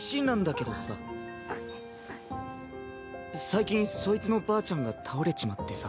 最近そいつのばあちゃんが倒れちまってさ。